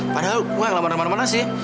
padahal gue yang lamar lamar mana sih